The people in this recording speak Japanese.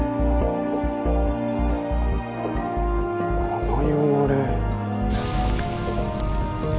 この汚れ。